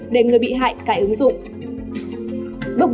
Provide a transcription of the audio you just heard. đến người bị hại cài ứng dụng